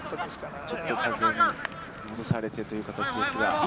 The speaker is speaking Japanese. ちょっと風に戻されてという形ですが。